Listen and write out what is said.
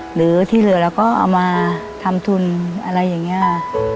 หรือที่เหลือเราก็เอามาทำทุนอะไรอย่างนี้